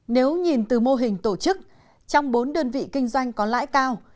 nếu nhìn từ mô hình tổ chức trong bốn đơn vị kinh doanh có lãi cao